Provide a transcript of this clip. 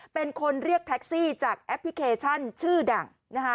เป็นคนเรียกแท็กซี่จากแอปพลิเคชันชื่อดัง